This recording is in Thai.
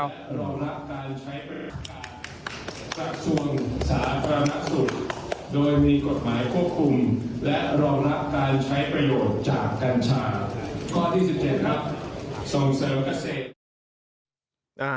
ด้วยมีกฎหมายควบคุมและรองรับการใช้ประโยชน์จากการชาติ